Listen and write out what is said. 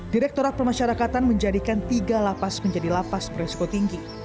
direkturat pemasyarakatan menjadikan tiga lapas menjadi lapas beresko tinggi